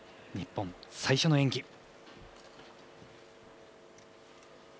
日本最初の演技。